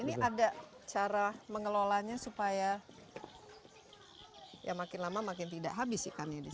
ini ada cara mengelolanya supaya ya makin lama makin tidak habis ikannya di sini